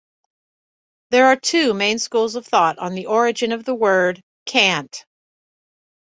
There are two main schools of thought on the origin of the word "cant".